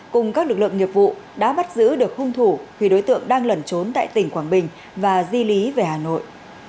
cùng các lực lượng nghiệp vụ đã bắt giữ được hung thủ khi đối tượng đang lẩn trốn tại tỉnh quảng bình và di lý về hà nội